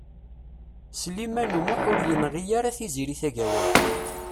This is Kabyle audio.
Sliman U Muḥ ur yenɣi ara Tiziri Tagawawt.